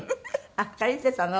あっ借りてたの？